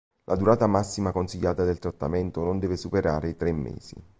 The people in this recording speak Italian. La durata massima consigliata del trattamento non deve superare i tre mesi.